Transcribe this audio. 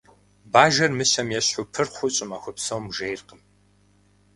Бажэр мыщэм ещхьу пырхъыу щӏымахуэ псом жейркъым.